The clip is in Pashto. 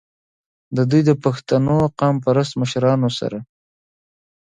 د دوي د پښتنو قام پرست مشرانو سره